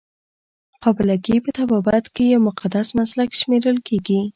قابله ګي په طبابت کې یو مقدس مسلک شمیرل کیږي.